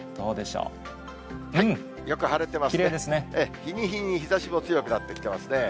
日に日に日ざしも強くなってきてますね。